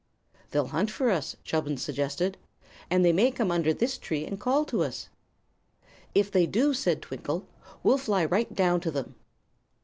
"They'll hunt for us," Chubbins suggested; "and they may come under this tree, and call to us." "If they do," said Twinkle, "we'll fly right down to them."